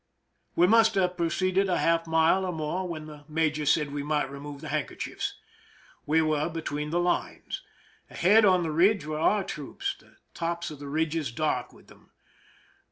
We must have proceeded a half mile or more when the major said we might remove the hand kerchiefs. We were between the lines. Ahead on the ridge were our troops, the tops of the ridges dark with them.